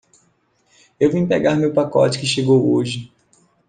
Eu vim pegar meu pacote que chegou hoje.